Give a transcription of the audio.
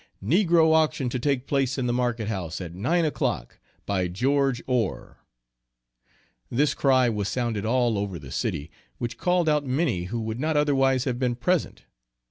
Negro auction to take place in the market house, at nine o'clock, by George Ore!" This cry was sounded all over the city, which called out many who would not otherwise have been present.